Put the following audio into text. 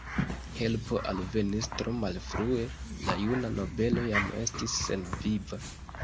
Helpo alvenis tro malfrue; la juna nobelo jam estis senviva.